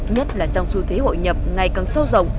nhất là trong xu thế hội nhập ngày càng sâu rộng